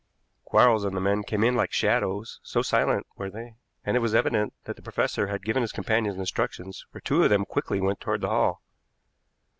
Quarles and the men came in like shadows, so silent were they, and it was evident that the professor had given his companions instructions, for two of them quickly went toward the hall.